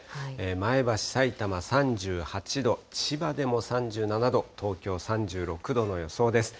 前橋、さいたま３８度、千葉でも３７度、東京３６度の予想です。